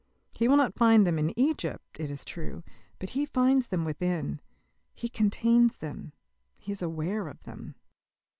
He will not find them in Egypt, it is true, but he finds them within, he contains them, he is aware of them.